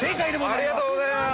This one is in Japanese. ◆ありがとうございます。